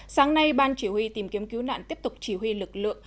sáng nay ban chỉ huy tìm kiếm cứu nạn tiếp tục chỉ huy lực lượng